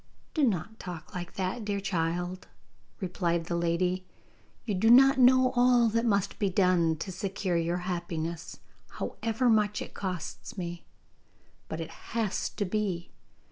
'Do not talk like that, dear child,' replied the lady; 'you do not know all that must be done to secure your happiness, however much it costs me. But it has to be.